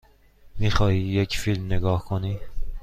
می خواهی یک فیلم نگاه کنی؟